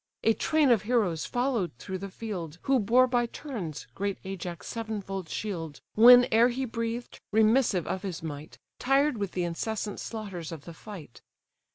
A train of heroes followed through the field, Who bore by turns great Ajax' sevenfold shield; Whene'er he breathed, remissive of his might, Tired with the incessant slaughters of the fight.